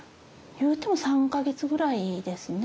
言うても３か月ぐらいですね。